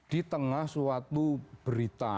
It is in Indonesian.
di tengah suatu berita